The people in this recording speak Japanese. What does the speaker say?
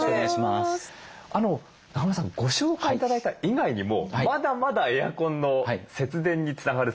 中村さんご紹介頂いた以外にもまだまだエアコンの節電につながる使い方というのがあるんですよね？